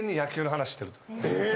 え！